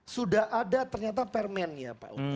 sudah ada ternyata permennya pak uki